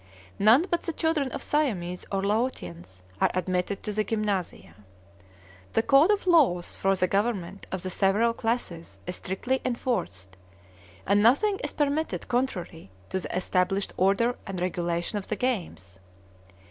None but the children of Siamese or Laotians are admitted to the gymnasia. The code of laws for the government of the several classes is strictly enforced, and nothing is permitted contrary to the established order and regulations of the games.